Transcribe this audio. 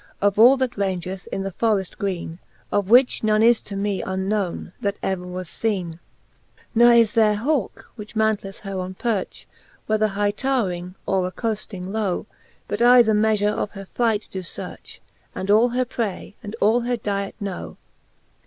Of all that raungeth in the forreft greene ; Of which none is to me unknowne, that ev'r was ieene. XXXII. He is there hauke, which mantleth her on pearch. Whether high towring, or accoafting low, But I the meafure of her flight doe fearch. And all her pray, and all her diet know.